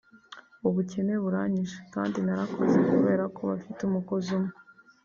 ubukene buranyishe kandi narakoze kubera ko bafite umukozi umwe